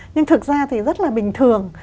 nhưng thực ra thì rất là bình thường